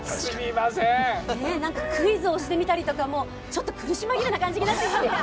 何かクイズをしてみたりとか苦し紛れな感じになっていますね。